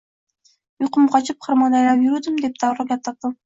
– Uyqum qochib, xirmonda aylanib yuruvdim, – deb darrov gap topdim